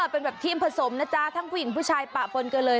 เป็นแบบทีมผสมนะจ๊ะทั้งผู้หญิงผู้ชายปะปนกันเลย